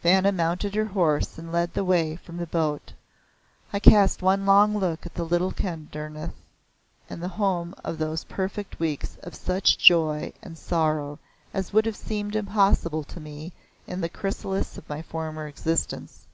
Vanna mounted her horse and led the way from the boat. I cast one long look at the little Kedarnath, the home of those perfect weeks, of such joy and sorrow as would have seemed impossible to me in the chrysalis of my former existence.